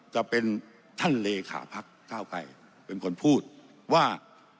จะเป็นท่านเลขาพักเก้าไกรเป็นคนพูดว่า